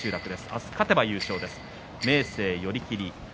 明日勝てば優勝です。